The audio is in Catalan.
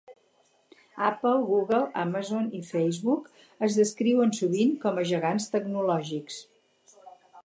Apple, Google, Amazon i Facebook es descriuen sovint com a gegants tecnològics.